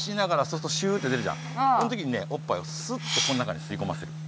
そんときにねおっぱいをスッとこの中にすいこませる。